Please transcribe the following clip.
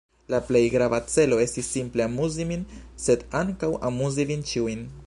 La plej grava celo estis simple amuzi min, sed ankaŭ amuzi vin ĉiujn.